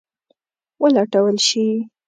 ولټول شي.